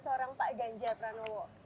seorang pak ganja pranowo